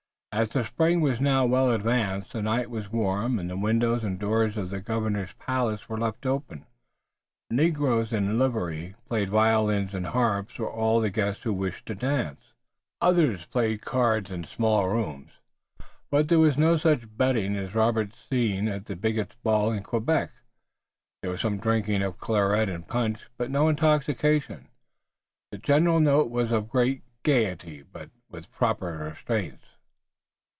As the spring was now well advanced the night was warm and the windows and doors of the Governor's Palace were left open. Negroes in livery played violins and harps while all the guests who wished danced. Others played cards in smaller rooms, but there was no such betting as Robert had seen at Bigot's ball in Quebec. There was some drinking of claret and punch, but no intoxication. The general note was of great gayety, but with proper restraints.